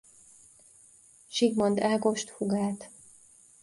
Zsigmond Ágost húgát.